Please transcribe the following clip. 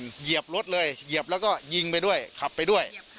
เหยียบรถเลยเหยียบแล้วก็ยิงไปด้วยขับไปด้วย